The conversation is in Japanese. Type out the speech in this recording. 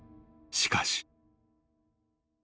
［しかし］